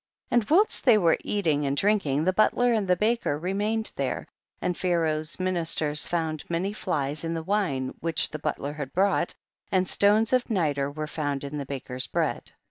4. And whilst they were eating and THE BOOK OF JASHER. 145 drinking, the butler and the baker remained there, and Pharaoh's minis ters found many flies in the wine, which the butler had brought, and stones of nitre were found in the ba ker's bread.